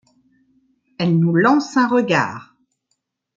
Elle nous lance un regard.